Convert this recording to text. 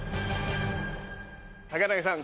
高柳さん